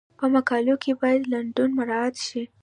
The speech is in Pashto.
په مقالو کې باید لنډون مراعات شي.